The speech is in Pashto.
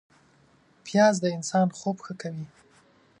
پیاز د انسان خوب ښه کوي